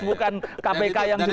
bukan kpk yang jelas